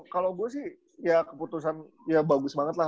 kalau gue sih ya keputusan ya bagus banget lah